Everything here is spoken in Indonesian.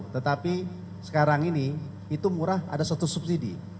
tetapi sekarang ini itu murah ada satu subsidi